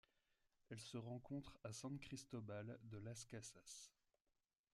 Elle se rencontre à San Cristóbal de Las Casas.